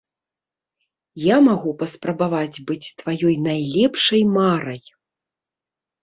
Я магу паспрабаваць быць тваёй найлепшай марай.